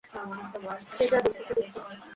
সে জাজির সাথে যুক্ত।